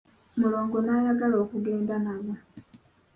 Mulongo n'ayagala okugenda nabo.